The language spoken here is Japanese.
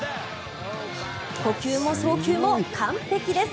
捕球も送球も完璧です。